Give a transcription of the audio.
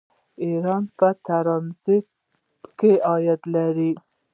ایران په ټرانزیټ کې عاید لري.